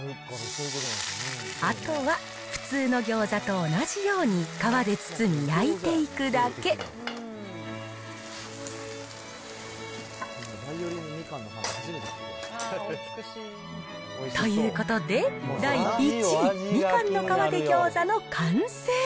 あとは普通の餃子と同じように皮で包み焼いていくだけ。ということで、第１位、みかんの皮で餃子の完成。